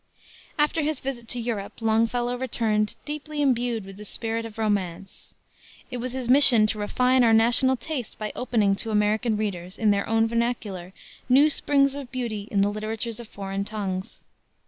After his visit to Europe, Longfellow returned deeply imbued with the spirit of romance. It was his mission to refine our national taste by opening to American readers, in their own vernacular, new springs of beauty in the literatures of foreign tongues.